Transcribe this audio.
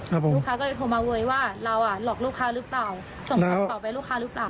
ลูกค้าก็เลยโทรมาโวยว่าเราอ่ะหลอกลูกค้าหรือเปล่าส่งกระเป๋าไปลูกค้าหรือเปล่า